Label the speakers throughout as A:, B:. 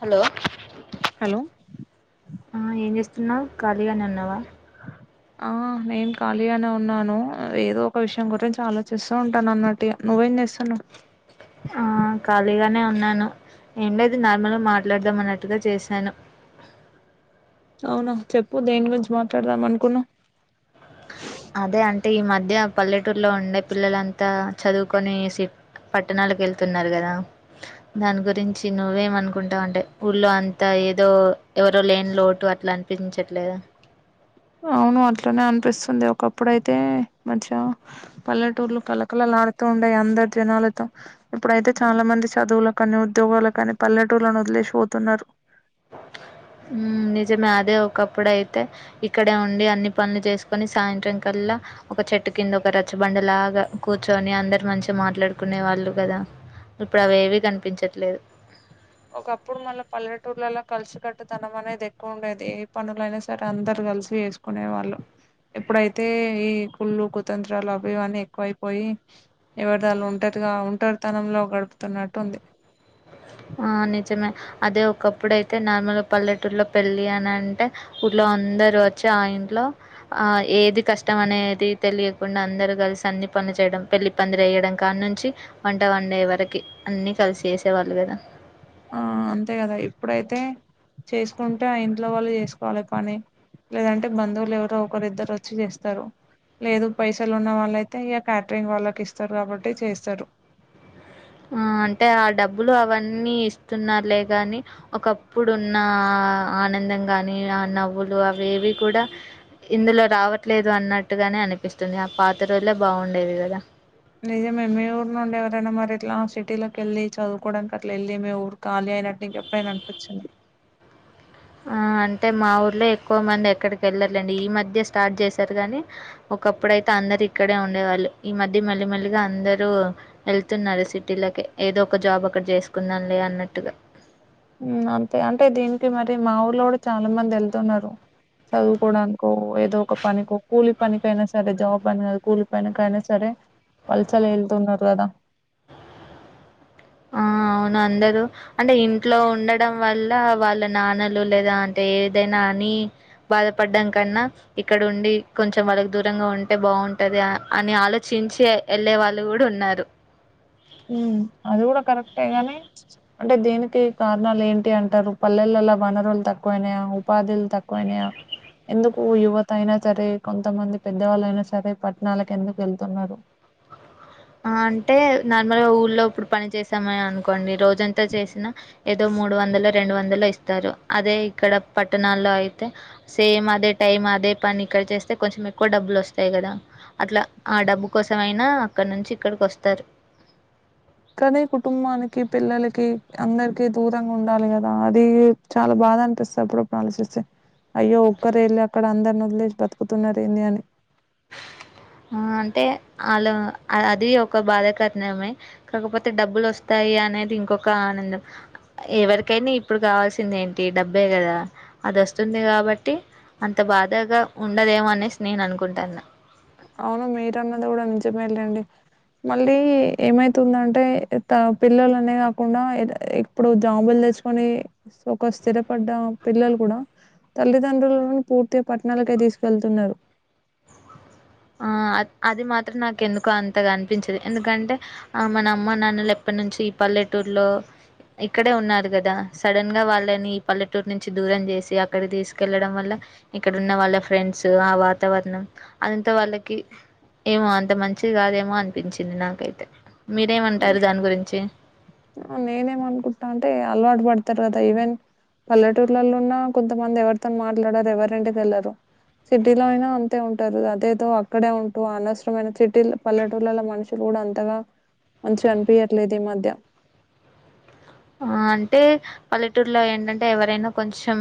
A: Hello
B: hello
A: ఆ ఏం చేస్తున్నావ్ ఖాళీగానే ఉన్నావా
B: ఆ నేను కలిగానే ఉన్నాను ఏదో ఒక విషయం గురించి ఆలోచిస్తూ ఉంటాను అన్నట్టుగా నువ్వు నువ్వేం చేస్తున్నావ్
A: ఆ ఖాళీగానే ఉన్నాను ఏం లేదు నార్మల్గా మాట్లాడదాం అన్నట్టుగా చేశాను
B: అవునా చెప్పు దేని గురించి మాట్లాడదాం అనుకున్నావ్
A: అదే అంటే ఈ మధ్య పల్లెటూరులో ఉండే పిల్లలంతా చదువుకొని సిట్ పట్టణాలకు వెళ్తున్నారు కదా దాని గురించి నువ్వేమ అనుకుంటావు అంటే ఊళ్ళో అంతా ఏదో ఎవరో లేని లోటు అట్లా అనిపించట్లేదు
B: అవును అట్లనే అనిపిస్తుంది ఒకప్పుడుయితే మధ్య పల్లెటూర్లు కలకల ఉండేయ్ అందరి జనాలతో ఇప్పుడు అయితే చాలా మంది చదువుల కాని ఉద్యోగాలు కానీ పల్లెటూరులో వదిలేసిపోతున్నారు
A: నిజమే అదే ఒకప్పుడు అయితే ఇక్కడే ఉండి అన్ని పనులు చేసు కని సాయంత్రం కల్లా ఒక చెట్టు కింద ఒక రచ్చబండ లాగా కూర్చొని అందరు మంచిగా మాట్లాడుకు నే వాళ్ళు కదా ఇప్పుడు అవి ఏవీ కనిపించట్లేదు
B: ఒకప్పుడు మళ్ళీ పల్లెటూర్లలో కలిసి కట్టుతనం అనేది ఎక్కువ ఉండేది ఏ పనుల ఐనా సరే అందరు కలిసి చేసుకునే వాళ్ళు ఎప్పుడైతే ఈ కుళ్ళు కుతంత్రాలు అవయవన్నీ ఎక్కువైపోయి ఎవరి దళ్ళు ఒంటరిగా ఒంటరి తనంలో గడుపుతున్నట్టు ఉంది
A: అ నిజమే అదే ఒకప్పుడు అయితే నార్మల్గా పల్లెటూలో పెళ్ళి అని అంటే ఊళ్లో అందరు వచ్చి ఆ ఇంట్లో ఏది కష్టం అనేది తెలియకుండా అందరు కలిసి అన్ని పనులు చే య పెళ్లి పందిరి వేయడం కాడ్ నుంచి వంట వండే వరకు అన్ని కలిసి చేసేవాళ్ళు కదా
B: ఆ అంతే కదా ఇప్పుడైతే చేసుకుంటే ఆ ఇంట్లో వాళ్ళు చేసుకోవాలి పని లేదంటే బంధువులు ఎవరో ఒకరిద్దరు వచ్చి చేస్తారు లేదు పైసలు ఉన్న వాళ్ళు అయితే ఇక క్యాటరింగ్ వాళ్ళకి ఇస్తారు కాబట్టి చేస్తారు
A: ఆ అంటే ఆ డబ్బులు అవన్న అన్ని ఇస్తున్నారులే కానీ ఒకప్పుడు ఉన్న ఆనందం గాని నవ్వు లు అవేవి కూడా ఇందులో రావట్లేదు అన్నట్టుగానే అనిపిస్తుంది ఆ పాత రోజులే బాగుండేవి కదా
B: నిజమే మీ ఊరు నుండి ఎవరైనా మరి ఇట్లా సిటీలోకి వెళ్ళి చదువుకోవడానికి అట్లా వెళ్ళ మీ ఊరు కాలి అయినట్టు ఇంక ఎప్పుడైనా అనిపించింది
A: అ ఆ అంటే మా ఊర్లో ఎక్కువ మంది ఎక్కడికి వెళ్ళారు లేండి ఈ మధ్య స్టార్ట్ చేశారు గానీ ఒకప్పుడు అయితే అందరు ఇక్కడే ఉండే వాళ్ళు ఈ మధ్య మేళ్ళ మేళ్ళగా అందరు వెళ్తున్నారు సిటీలకి ఏదో ఒక జాబ్ అక్కడ చేసుకుందాంలే అన్నట్టుగా
B: మ్ అంతే అంటే దీనికి మరి మా ఊర్లో కూడా చాలా మంది వెళ్తున్నారు చదువుకోవడానికో ఏదో ఒక పనికికో కూలి పనినికి అయినా సరే జాబ్ అని కాదు కూలి పనికైనా సరే వలసాలు ఏల్తున్నారు కదా
A: [inaudible] ఆ అవును అందరు అంటే ఇంట్లో ఉండడం వల్ల వాళ్ళ నాన్నలు లేదా అంటే ఏదైనా అని బాధపడ్డాం కన్నా ఇక్కడ ఉండి కొంచెం వాళ్ళకి దూరంగా ఉంటే బాగు టది అని ఆలోచించి వెళ్ళే వాళ్ళు కూడా ఉన్నారు
B: అది కూడా కరెక్టే గానీ అంటే దేనికి కారణాలు ఏంటి అంటారు పల్లెల్ వనరుల్ తక్వైనయా ఉపాధిల్ తక్వైనయ ఎందుకు యువత అయినా సరే కొంతమంది పెద్దవాళ్ళ అయినా సరే పట్టణాలకు ఎందుకు వెళ్తున్నారు
A: ఆ అంటే నార్మల్గా ఊ లో ఇప్పుడు పని చేసామని అనుకోండి రోజంతా చేసినా ఏదో మూడు వందలో రెండు వందలో ఇస్తారు అదే ఇక్కడ పట్టణాల్లో అయితే సేమ్ అదే టైమ్ అదే పని ఇక్కడ చేస్తే కొంచెం ఎక్కువ డబ్బు స్తాయి కదా అట్లా ఆ డబ్బు కోసం అయినా అక్కడ నుంచి ఇక్కడికి వస్తారు
B: కానీ కుటుంబానికి పిల్లలకి అందరికి దూరంగా ఉండాలి కదా అది చాలా బాద్ దాపిస్తాది అప్పుడప్పుడు ఆలోచిస్తే అయ్యో ఒక్కరే ఎల్లి అక్కడ అందర్ని వదిలేసి బతుకుతున్నరు ఏంది అని
A: [inaudible] [inaudible] ఆ అంటే వాళ అది ఒక బాధాకరణమే కాకపోతే డబ్బులు వస్తాయి యి అనేది ఇంకొక ఆనందం ఎవరికైనా ఇప్పుడు కావాల్సింది ఏంటి డబ్బే కదా అది వస్తుంది కాబట్టి అంత బాధగా ఉండదేమో అనేసి నేను అనుకుంటాన్న
B: అవును మీరన్నది కూడా నిజమే లేండి మళ్ళీ ఏమైతుందంటే పిల్లలనే కాకుండా ఇప్పుడు జాబులు చ్ కని ఒక స్థిరపడ్డ పిల్లలు కూడా తల్లిదండ్రులను పూర్తిగ పట్టణాలక్ తీసుకెళ్తున్నారు
A: ఆ అది మాత్రం నాకు ఎందుకు అంతగా అనిపించదు ఎందుకంటే ఆ మన అమ్మ నాన్నలు ఎప్పటి నుంచి పల్లెటూర్లో ఇక్కడే ఉన్నారు కదా సడన్ గా వాళ్ళని ఈ పల్లెటూరు నుంచి దూరం చేసి అక్కడికి తీసుకెళ్లడం వల్ల ఇక్కడున్న వాళ్ళ ఫ్రెండ్స్ ఆ వాతావరణం అదంత వాళ్ళకి ఏమో అంత మంచి కాదేమో అనిపించింది నాకైతే మీరేమంటారు దాని గురించి
B: ఆ నేనేం అన్కుట్టా అంటే అలవాటు పడుతారు కదా ఇవెన్ పల్లెటూర్లలో ఉన్నా కొంతమంది ఎవరితో మాట్లాడరు ఎవరింటికేళ్లరు సిటీలో అయినా అంతే ఉంటారు అదేదో అక్కడే ఉంటూ అనవసరమైన సిటీ పల్లెటూళ్లో మనుషులు కూడా అంతగా మంచిగనిపించట్లేదు ఈ మధ్య
A: ఆ అంటే పల్లెటూరులో ఏంటంటే ఎవరైనా కొంచెం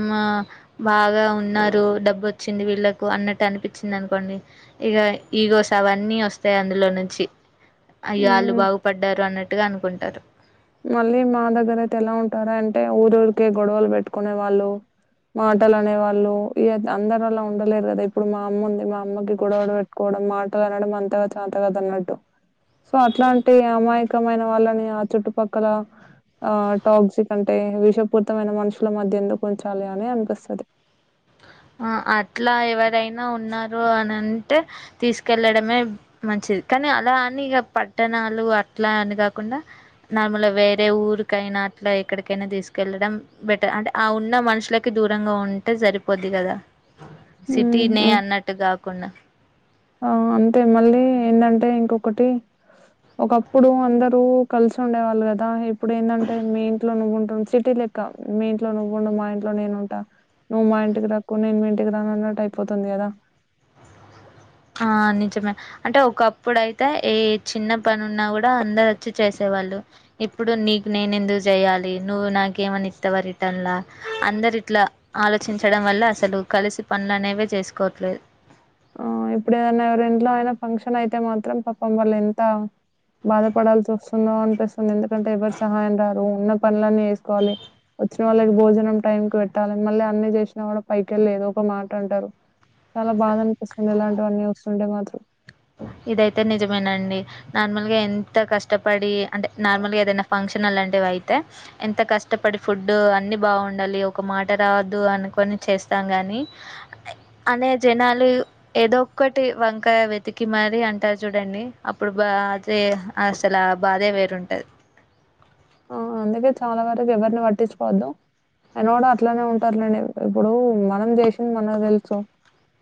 A: బాగా ఉన్నారు డబ్ వచ్చింది వీళ్ళలకు అన్నట్టు అనిపించింది అనుకోండి ఇగ ఈగోస్ అవన్నీ వస్తాయి అందులో నుంచి అయ్యో వాళ్ళు బాగుపడ్డారు అన్నట్టుగా అనుకుంటారు
B: మళ్ళీ మా దగ్గర అయితే ఎలా ఉంటారంటే ఊరురికే గొడవలు పెట్టుకునే వాళ్ళు మాటలనేవాళ్ళు అందరు అలా ఉండలేరు కదా ఇప్పుడు మా అమ్మ ఉంది మా అమ్మకి గొడవడ పెట్టుకోవ మాటలు అనడం అంతగా చాత కాదు అన్నట్టు సో అట్లా అంటే ఎ అమాయకమైన వాళ్ళని ఆ చుట్టు పక్కల ఆ టాక్జిక్ అంటే విషపూర్తమైన మనుషుల మధ్య ఎందుకు ఉంచాలి అని అనిపి స్తది
A: ఆ అట్లా ఎవరైనా ఉన్న రు అని అంటే తీసుకెళ్ళడమే మంచిది కని అలా అని ఇగ పట్టణాలు అట్లా అని కాకుండా నార్మల్గా వేరే ఊరికైనా అట్లా ఎక్కడికైనా తీసుకెళ్ళడం బెటర్ అంటే ఆ ఉన్న మనుషులకి దూరంగా ఉంటే సరి పోద్ది కదా
B: హ్మ్.
A: సిటీనే
B: హ్మ్.
A: అన్నట్టు కాకుండా
B: ఆ అంతే మళ్ళీ ఏంటంటే ఇంకొకటి ఒకప్పుడు అందరు కలిసి ఉండేవాళ్ళు కదా ఇప్పుడు ఏందంటే మీ ఇంట్లో నువ్వుంటు సిటీ మీ ఇంట్లో నువ్వుండు మా ఇంట్లో నేను ఉంటా నువ్వు మా ఇంటికి రాక్కు నేను మీ ఇంటికి రాను అన్నట్టు అయిపోతుంది కదా
A: అ ఆ నిజమే అంటే ఒకప్పుడైతే ఏ చిన్న పని ఉన్నా కూడా అందరు వచ్చి చేసే వాళ్ళు ఇప్పుడు నీకు నేను ఎందుకు చేయాలి నువ్వు నాకి ఏమన్న ఇత్తవ రిటన్లా అందరు ఇట్లా ఆలోచించడం వల్ల అసలు కలిసి పనులనే ఇవే చేసుకోవట్లేదు
B: ఆ ఇప్పుడు ఏదన్నా ఎవర ఇంట్లో అయినా ఫంక్షన్ అయితే మాత్రం పపం వాళ్ళు ఎంత బాధపడాల్సి వస్తుందో అనిపిస్తుంది ఎందుకంటే ఎవరు సహాయం రారు ఉన్న పనులన్నీ ఎసుకోవాలి వచ్చిన వాళ్ళకి భోజనం టైం కి పెట్టాలి మళ్ళీ అన్ని చేసినా కూడా పైకెళ్ళి ఏదో ఒక మాట అంటారు చాలా బాధ అనిపిస్తుంది ఇలాంటివన్నీ చూస్తుంటే మాత్రం
A: ఇదైతే నిజమేనండి నార్మల్గా ఎంత కష్టపడి అంటే నార్మల్గా ఏదైనా ఫంక్షన్ టన్ అలాంటివి అయితే ఎంత కష్టపడి ఫుడ్ అన్ని బాగుండాలి ఒక మాట రాదు అనుకొని చేస్తాం గాని అనే జనాలు ఏదోక్కటి వంక వెతి కి మరీ అంటారు చూడండి అప్పుడు బా అదే అసల బాధే వేరుంటది [inaudible]
B: ఆ అందుకే చాలా వరకు ఎవరిని పట్టించుకోవద్దు అయన కూడా అట్లానే ఉంటారులేండి ఇప్పుడు మనం చేసింది మనకు తెలుసు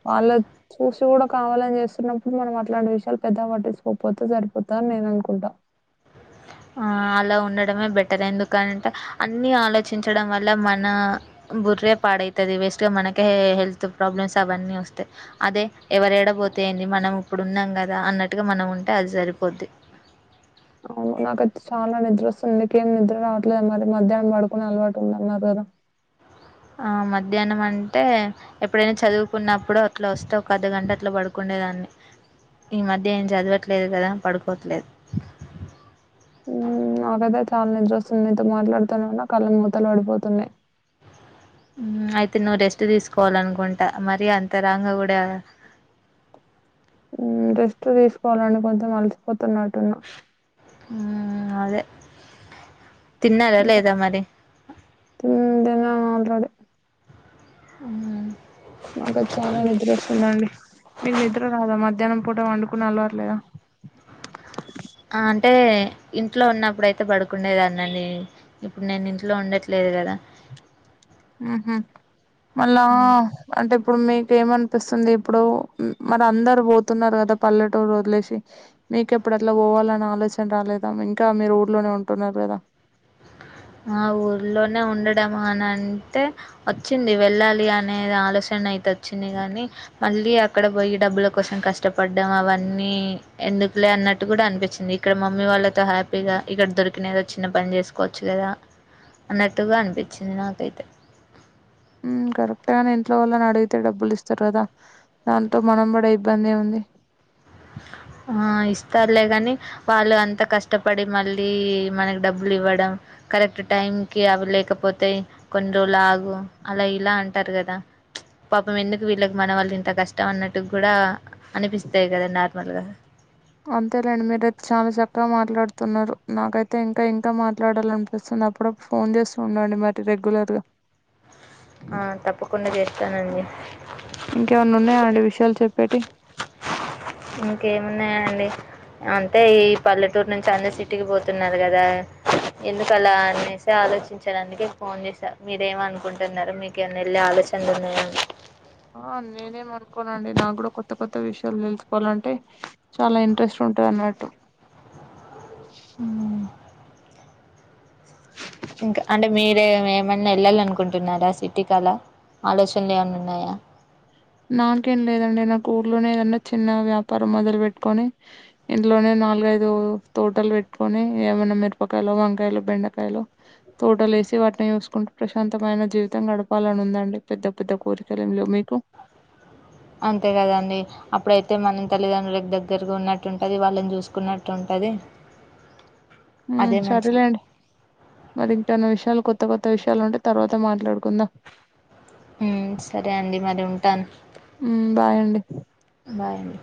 B: వాళ్ళ చూసి కూడా కావాలని చేస్తున్నప్పుడు మనం అట్లాంటి విషయాలు పెద్ద వట్టిచుకోకపోతే సరిపోతా అని నెన్ అనుకుంటా
A: [inaudible] ఆ అలా ఉండడమే బెటర్ ఎందుకని అంటే అన్ని ఆలోచించడం వల్ల మన బుర్రే పాడయితది వేస్ట్ గా మనకే హెల్త్ ప్రాబ్లమ్స్ అవన్నీ వస్తాయి అదే ఎవరేడ పో ఎంది మనం ఇప్పుడు ఉన్నాం గద అన్నట్టుగా మనం ఉంటే అది సరిపోద్ది
B: అవును. నాకైతే చాలా నిద్ర వస్తుంది నీకేం నిద్ర రావట్లేదు మరి మధ్యానం పడుకునే అలవాటు ఉందన్నారు కదా
A: [inaudible] ఆ మధ్యానం అంటే ఎప్పుడైనా చదువుకున్నప్పుడు అట్లా వస్తే ఒక అర్ధగంట అట్లా పడుకుండేదా ఈ మధ్య ఏం చదవట్లేదు కదా పడుకోవట్లేదు
B: ఊ నాకైతే చాలా నిద్ర వస్తుంది నీతో మాట్లాడుతునాన్న కళ్ళన్నీ మూతలు పడిపోతున్నాయి
A: అయితే నువ్వు రెస్ట్ తీసుకోవాలనుకుంటా మరి అంతరాంగ కూడా [inaudible]
B: మ్ రెస్ట్ తీసుకోవాలండి కొంచెం అలసిపోతున్నట్టున్న
A: మ్ అదే తిన్నారా
B: ఇంకా
A: లేదా మరి
B: తిన్ తిన్నాను ఆల్రెడీ.
A: అ
B: నాకైతె చాలా నిద్ర వస్తుందండి మీకు నిద్ర రాదా మధ్యాహ్నం పూట పండుకునే అలవాటు లేదా
A: ఏ ఇంట్లో ఉన్నప్పుడయితే పడుకుండేదానండి ఇప్పుడు నేను ఇంట్లో ఉండట్లేదు కదా [inaudible]
B: మ్ హు మళ్ళా అంటే ఇప్పుడు మీ ఏమనిపిస్తుంది ఇప్పుడు మరి అందరు పోతున్నారు కదా పల్లెటూరు వదిలేసి మీకెప్పు డట్లా పోవాలన్న ఆలోచన రాలేదా ఇంకా మీరు ఊర్లోనే ఉంటున్నారు కదా
A: ఆ ఊర్లోనే ఉండడం అని అంటే వచ్చింది వెళ్ళాల్ అనేది ఆలోచన అయితే వచ్చింది గాని మళ్ళీ అక్కడ పోయి డబ్బుల కోసం కష్టపడ్డం అవన్నీ ఎందుకులే అన్నట్టు కూడా అనిపించింది ఇక్కడ మమ్మీ వాళ్ళతో హ్యాపీగా ఇక్కడ దొరికిన ఎదో చిన్న పని చేసుకోవ చ్చు కదా అన్నట్టుగా అనిపించింది నాకైతే
B: మ్ కరెక్ట్గానే ఇంట్లో వల్లను అడిగితే డబ్బులు ఇస్తారు కదా దాంతో మనం పడే ఇబ్బంది ఎం ఉంది
A: ఆ ఇస్తారులే కాని వాళ్ళు అంతా కష్టపడి మళ్ళీ మనకి డబ్బులు ఇవ్వడం కరెక్ట్ టైంకి అవి లేకపోతే కొన్ని రోజులు ఆగు అలా ఇలా అంటారు కదా పాపం ఎందుకు వీళ్ళకి మన వాళ్ళు ఇంత కష్టం అన్నట్టు కూడా అనిపిస్తాది కదా నార్మల్గా
B: అంతేలేండి మీరైతే చాలా చక్కగా మాట్లాడుతున్నారు నాకైతే ఇంకా ఇంకా మాట్లాడాలినిపిస్తు అప్పుడప్ ఫోన్ చేస్తూ ఉండండి మరి రెగ్యులర్ గా
A: ఆ తప్పకుండా చేస్తానండి
B: ఇంకేమన్నా ఉన్నాయా అండి విషయాలు చెప్పేటివి
A: ఇంకేమున్నాయండి అంతే ఈ పల్లెటూరు నుంచి అందరు సిటీకి పోతున్నారు కదా ఎందుకు అలా అనేసి ఆలోచించడానికి ఫోన్ చేసా మీరేమ అనుకుంటున్నారు మీకేమనా వెళ్ళి ఆలోచ చంళ్ళున్నయ అని
B: ఆ నేనేం అనుకోనండి నాకు కూడా కొత్త కొత్త విషయాలు తెలుసుకోవాలంటే చాలా ఇంట్రెస్ట్ ఉంటదన్నట్టు
A: మ్ హు ఇంకా అంటే మీరేమన్నా వెళ్ళాలనుకుంటున్నారా సిటీ కల ఆలోచనలు ఏమన్నా ఉన్నాయా
B: నాకేం లేదండి నాకు ఊర్లోనే ఏదన్నా చిన్న వ్యాపారం మొదలు పెట్టుకొని ఇంట్లోనే నాలుగైదు తోటలు పెట్టుకొని ఏమైన్నా మిరపకాయలు వంకాయలు బెండకాయలు తోటలే సి వాటిని చూసుకుంటూ ప్రశాంతమైన జీవితం గడపాలని ఉందండి పెద్ద పెద్ద కోరికలేం లెవ్ మీకు
A: అంతే కదండి అప్పుడయితే మన తల్లిదండ్రులకి దగ్గరగా ఉన్నట్టుంటది వాళ్ళని చూసుకున్నట్టు ఉంట ది
B: మ్ సరలేండి మరి ఇంకేన్న విషయాల కొత్త కో త్త విషయాలు ఉంటే తర్వాత మాట్లాడుకుందా
A: మ్ సరే అండి మరి ఉంటాను
B: మ్ బాయండి
A: బాయ్ అండి